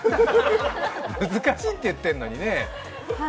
難しいって言ってるのにね。